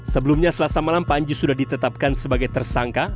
sebelumnya selasa malam panji sudah ditetapkan sebagai tersangka